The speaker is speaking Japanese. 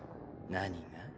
何が？